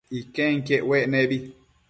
Iquenquiec uec nebi